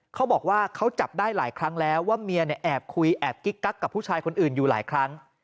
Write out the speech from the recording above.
เขาบอกว่าเขาจับได้หลายครั้งแล้วว่าเมียเนี่ยแอบคุยแอบกิ๊กกักกับผู้ชายคนอื่นอยู่หลายครั้ง